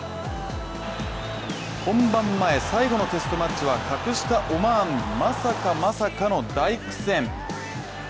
本番前最後のテストマッチは格下・オマーンにまさかまさかの大苦戦。